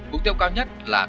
cục tiêu cao nhất là